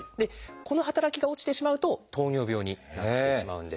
この働きが落ちてしまうと糖尿病になってしまうんです。